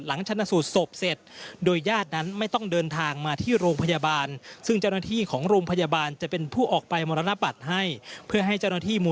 หลังชนะสูดศพเสร็จ